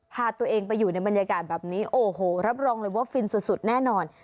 พาตัวเองไปอยู่ในบรรยากาศแบบนี้โอ้โหรับรองเลยว่าฟินสุดแน่นอน